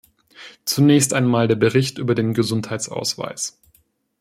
Zunächst einmal der Bericht über den Gesundheitsausweis.